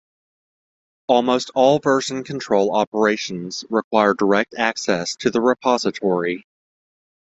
Almost all version control operations require direct access to the "repository".